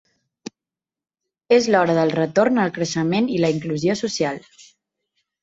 És l’hora del retorn al creixement i la inclusió social.